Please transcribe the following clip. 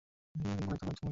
অনেক দানব জন্মেছিলো এখানে।